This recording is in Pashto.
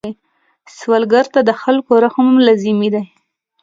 سوالګر ته د خلکو رحم لازمي دی